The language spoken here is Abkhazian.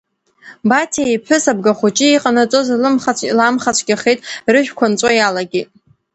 Баҭиа иԥҳәыс абгахәыҷы иҟанаҵоз ламхацәгьахеит, рыжәқәа нҵәо иалагеит.